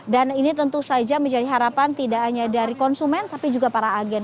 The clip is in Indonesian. dan ini tentu saja menjadi harapan tidak hanya dari konsumen tapi juga para agen